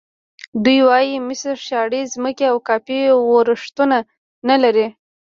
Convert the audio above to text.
دوی وایي مصر شاړې ځمکې او کافي ورښتونه نه لري.